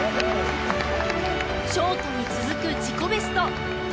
ショートに続く自己ベスト！